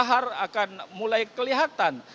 bahwa magma maupun lapa ini akan keluar